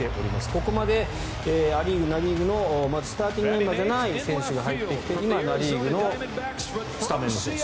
ここまでア・リーグ、ナ・リーグのまずスターティングメンバーじゃない選手が入ってきて今、ナ・リーグのスタメンの選手